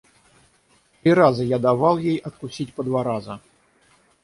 – Три раза я давал ей откусить по два раза.